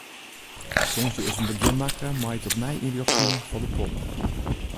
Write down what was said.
Tongersdei is in begjin makke mei it opnij ynrjochtsjen fan de polder.